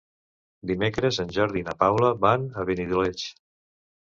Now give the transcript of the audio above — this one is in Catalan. Dimecres en Jordi i na Paula van a Benidoleig.